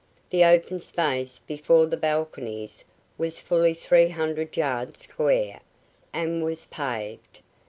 The open space before the balconies was fully three hundred yards square, and was paved.